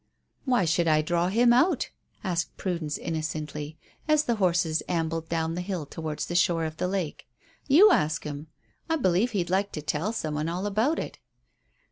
"Why should I draw him out?" asked Prudence innocently, as the horses ambled down the hill towards the shore of the lake. "You ask him. I believe he'd like to tell some one all about it."